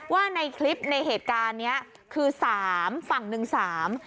ว่าในคลิปในเหตุการณ์เนี้ยคือสามฝั่งหนึ่งสาม